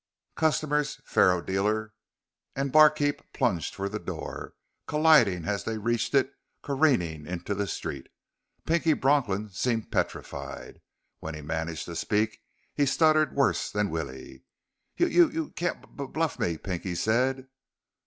Customers, faro dealer, and barkeep plunged for the door, colliding as they reached it, careening into the street. Pinky Bronklin seemed petrified. When he managed to speak, he stuttered worse than Willie. "Y you c can't b bluff me," Pinky said.